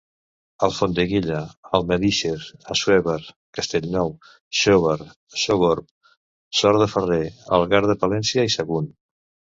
Alfondeguilla, Almedíxer, Assuévar, Castellnou, Xóvar, Sogorb, Sot de Ferrer, Algar de Palància i Sagunt.